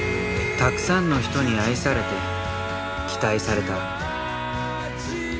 たくさんの人に愛されて期待された。